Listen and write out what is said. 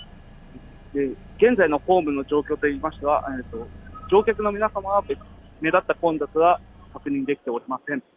現在のホームの状況ですが、乗客の皆様は目立った混雑は確認できておりません。